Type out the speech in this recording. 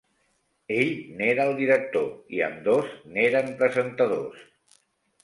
Ell n'era el director i ambdós n'eren presentadors.